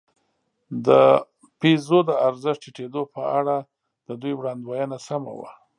د پیزو د ارزښت ټیټېدو په اړه د دوی وړاندوېنه سمه وه.